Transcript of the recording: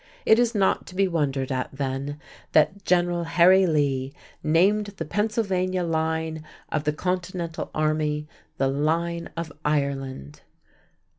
It is not to be wondered at then that General Harry Lee named the Pennsylvania line of the Continental army, "the Line of Ireland"!